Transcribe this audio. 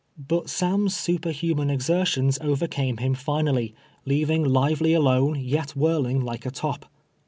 But Sam's su perhuman exertions overcame him finally, leaving Lively alone, yet wjiirling like a top.